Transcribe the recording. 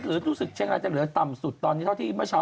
รู้สึกเชียงรายจะเหลือต่ำสุดตอนนี้เท่าที่เมื่อเช้า